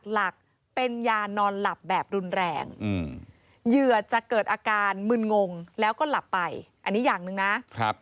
หลักเป็นยานอนหลับแบบรุนแรงเหยื่อจะเกิดอาการมึนงงแล้วก็หลับไปอันนี้อย่างหนึ่งนะครับ